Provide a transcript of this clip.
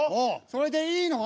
それでいいの？